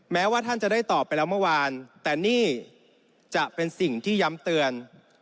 แม้ว่าท่านจะได้ตอบไปแล้วเมื่อวานแต่นี่จะเป็นสิ่งที่ย้ำเตือน